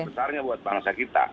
besarnya buat bangsa kita